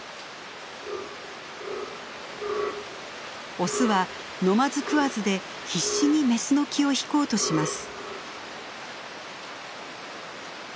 オスは飲まず食わずで必死にメスの気を引こうとします。